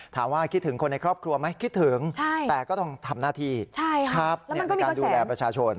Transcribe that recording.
ถามว่าคิดถึงคนในครอบครัวไหมคิดถึงแต่ก็ต้องทำหน้าที่ในการดูแลประชาชน